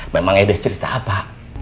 memang ada cerita apa